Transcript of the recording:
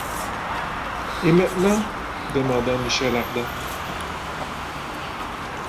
Et maintenant ? demanda Michel Ardan.